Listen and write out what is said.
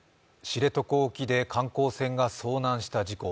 知床沖で観光船が遭難した事故。